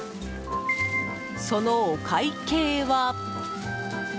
そのお会計は。